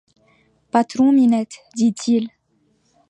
Patron-Minette, dit-il.